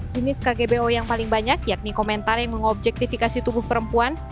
jenis kgbo yang paling banyak yakni komentar yang mengobjektifikasi tubuh perempuan